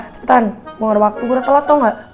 cepetan mau ada waktu gue udah telat tau gak